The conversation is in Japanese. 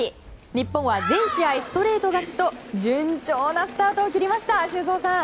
日本は全試合ストレート勝ちと順調なスタートを切りました修造さん。